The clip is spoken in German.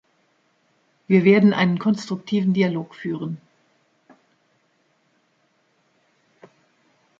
Wir werden einen konstruktiven Dialog führen.